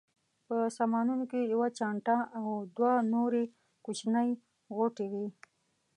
په سامانونو کې یوه چانټه او دوه نورې کوچنۍ غوټې وې.